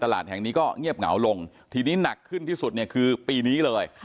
แห่งนี้ก็เงียบเหงาลงทีนี้หนักขึ้นที่สุดเนี่ยคือปีนี้เลย